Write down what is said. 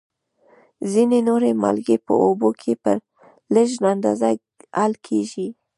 ځینې نورې مالګې په اوبو کې په لږ اندازه حل کیږي.